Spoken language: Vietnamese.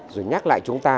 rồi nhắc lại chúng ta